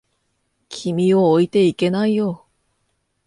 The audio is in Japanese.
君を置いていけないよ。